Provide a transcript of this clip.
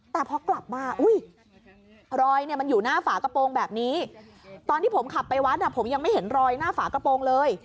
แต่พอกลับมาอุ้ยรอยเนี่ยมันอยู่หน้าฝากระโปรงแบบนี้ตอนที่ผมขับไปวัดผมยังไม่เห็นรอยหน้าฝากระโปรงเลย